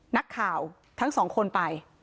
นักข่าวทั้งสองคนไป